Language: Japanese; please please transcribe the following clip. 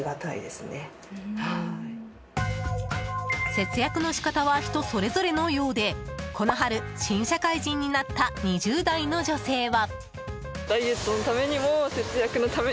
節約の仕方は人それぞれのようでこの春、新社会人になった２０代の女性は。